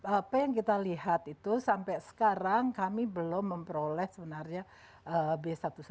apa yang kita lihat itu sampai sekarang kami belum memperoleh sebenarnya b satu ratus dua belas